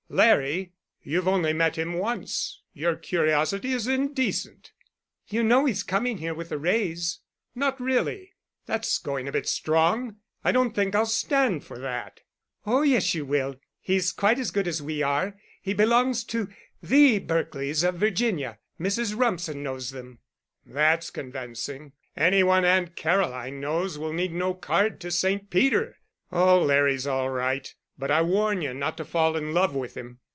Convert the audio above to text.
"Larry? You've only met him once. Your curiosity is indecent." "You know he's coming here with the Wrays." "Not really? That's going a bit strong. I don't think I'll stand for that." "Oh, yes, you will. He's quite as good as we are. He belongs to the Berkelys of Virginia. Mrs. Rumsen knows them." "That's convincing. Any one Aunt Caroline knows will need no card to Saint Peter. Oh, Larry's all right. But I warn you not to fall in love with him."